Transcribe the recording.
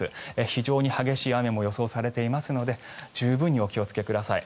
非常に激しい雨も予想されていますので十分にお気をつけください。